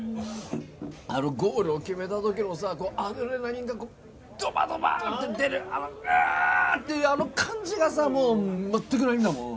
あのゴールを決めた時のさアドレナリンがドバドバって出るうーっ！っていうあの感じがさまったくないんだもん